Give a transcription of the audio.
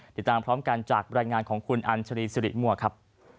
ติดตามพร้อมกันจากบรรยายงานของคุณอัญชรีสิริมัวครับ